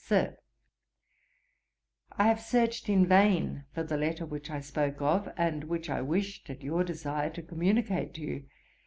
'SIR, 'I have searched in vain for the letter which I spoke of, and which I wished, at your desire, to communicate to you.